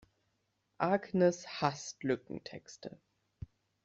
Agnes hasst Lückentexte.